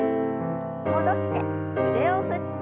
戻して腕を振って。